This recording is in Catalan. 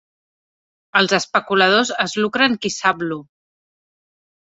Els especuladors es lucren qui-sap-lo.